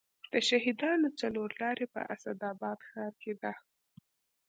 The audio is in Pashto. د شهیدانو څلور لارې په اسداباد ښار کې ده